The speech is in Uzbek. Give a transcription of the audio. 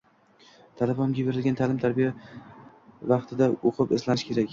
“Talaba unga berilgan ta'lim vaqtida o‘qib-izlanishi kerak.